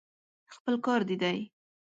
خپل کار دې دی.